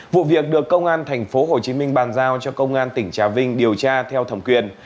vụ việc được công an tp hcm bàn giao cho công an tỉnh trà vinh điều tra theo thẩm quyền